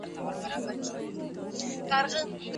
ټکنالوژي موږ ته د ژبو د زده کړې لپاره رڼا راکوي.